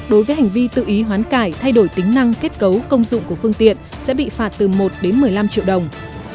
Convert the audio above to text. đối với hành vi tự ý hoán cải thay đổi tính năng kết cấu công dụng của phương tiện sẽ bị phạt từ một đến một mươi năm triệu đồng